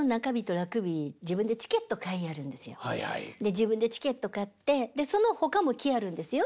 自分でチケット買ってそのほかも来はるんですよ。